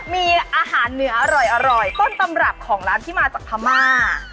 มีอาหารเหนืออร่อยต้นตำรับของร้านที่มาจากพม่า